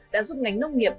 đã giúp ngành nông nghiệp